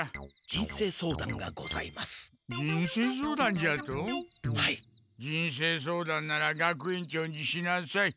人生相談なら学園長にしなさい。